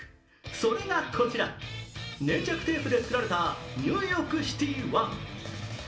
それがこちら、粘着テープで作られた「ニューヨークシティⅠ」。